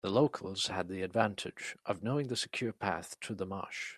The locals had the advantage of knowing the secure path through the marsh.